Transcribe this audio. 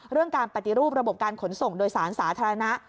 การปฏิรูประบบการขนส่งโดยสารสาธารณะ